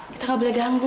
kita gak boleh ganggu